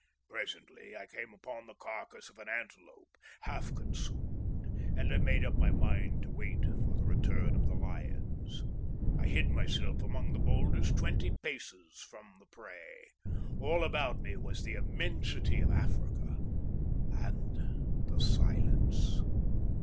Presently I came upon the carcass of an antelope, half consumed, and I made up my mind to wait for the return of the lions. I hid myself among the boulders twenty paces from the prey. All about me was the immensity of Africa and the silence.